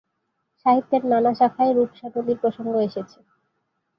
সাহিত্যের নানা শাখায় রূপসা নদীর প্রসঙ্গ এসেছে।